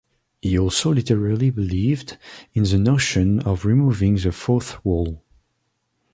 He also literally believed in the notion of removing the fourth wall.